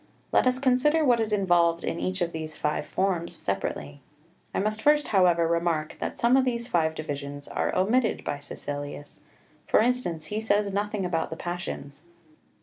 Let us consider what is involved in each of these five forms separately. I must first, however, remark that some of these five divisions are omitted by Caecilius; for instance, he says nothing about the passions.